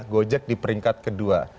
gojek di peringkat kedua